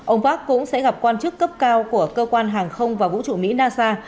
ông park cũng sẽ gặp quan chức cấp cao của cơ quan hàng không và vũ trụ mỹ nasa